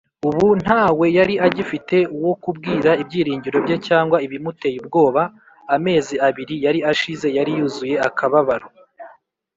. Ubu ntawe yari agifite wo kubwira ibyiringiro bye cyangwa ibimuteye ubwoba. Amezi abiri yari ashize yari yuzuye akababaro